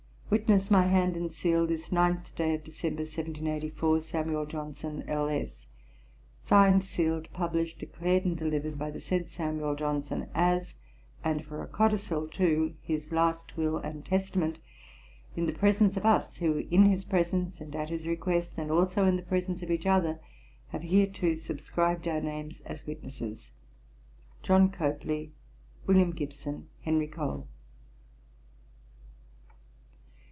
Witness my hand and seal, this ninth day of December, 1784. 'SAM. JOHNSON, (L. S.) 'Signed, sealed, published, declared, and delivered, by the said Samuel Johnson, as, and for a Codicil to his last Will and Testament, in the presence of us, who, in his presence, and at his request, and also in the presence of each other, have hereto subscribed our names as witnesses. 'JOHN COPLEY. 'WILLIAM GIBSON. 'HENRY COLE.'